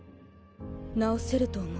直せると思う。